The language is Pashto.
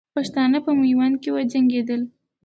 پښتانه په میوند کې وجنګېدل.